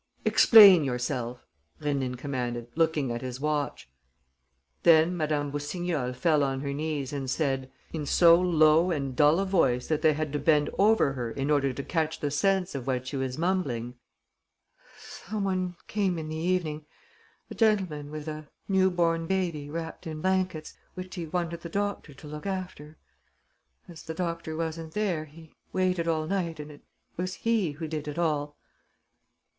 "Explain yourself," Rénine commanded, looking at his watch. Then Madame Boussignol fell on her knees and said, in so low and dull a voice that they had to bend over her in order to catch the sense of what she was mumbling: "Some one came in the evening ... a gentleman with a new born baby wrapped in blankets, which he wanted the doctor to look after. As the doctor wasn't there, he waited all night and it was he who did it all."